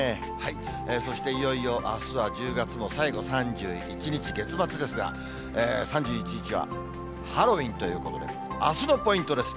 そしていよいよ、あすは１０月の最後、３１日、月末ですが、３１日はハロウィーンということで、あすのポイントです。